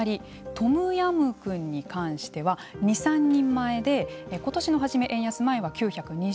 トムヤンクンに関しては２３人前でことしの初め、円安前は９２０円。